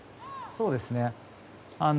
そうですね。